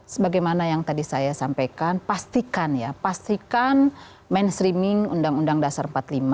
sebagaimana yang tadi saya sampaikan pastikan ya pastikan mainstreaming undang undang dasar empat puluh lima